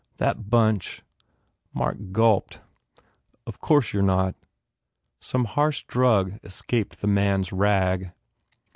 That bunch " Mark gulped, "Of course you re not." Some harsh drug escaped from the man s rags.